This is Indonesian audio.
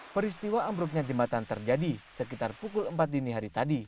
peristiwa ambruknya jembatan terjadi sekitar pukul empat dini hari tadi